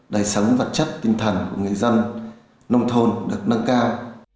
đại sáng vật chất tinh thần của người dân nông thôn được nâng cao